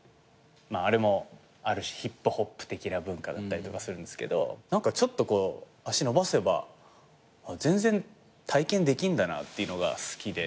あれもある種ヒップホップ的な文化だったりとかするんすけどちょっと足延ばせば体験できんだなってのが好きで。